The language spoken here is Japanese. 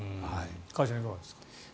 加谷さん、いかがですか。